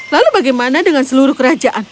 lalu bagaimana dengan seluruh kerajaan